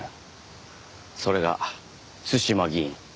それが対馬議員。